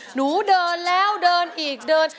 หนูเดินแล้วเดินอีกเดิน